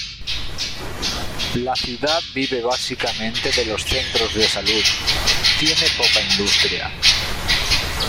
La ciudad vive básicamente de los centros de salud, tiene poca industria.